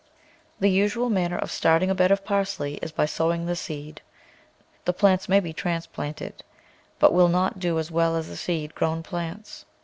The usual manner of starting a bed of parsley is by sowing the seed; the plants may be trans planted, but will not do as well as the seed grown plants.